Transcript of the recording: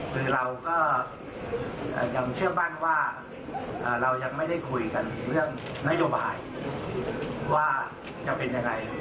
คือเราก็ยังเชื่อมั่นว่าเรายังไม่ได้คุยกันเรื่องนโยบายว่าจะเป็นยังไง